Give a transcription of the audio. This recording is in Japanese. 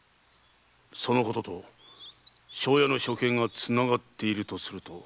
そのことと庄屋の処刑がつながっているとすると。